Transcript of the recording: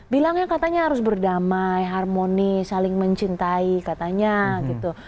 bilangnya katanya harus berdamai harmoni saling mencintai katanya gitu